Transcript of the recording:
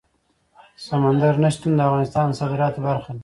سمندر نه شتون د افغانستان د صادراتو برخه ده.